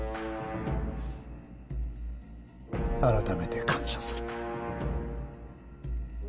改めて感謝する。